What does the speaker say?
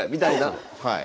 はい。